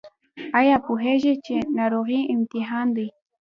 ایا پوهیږئ چې ناروغي امتحان دی؟